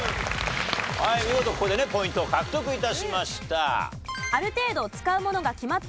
見事ここでねポイントを獲得致しました。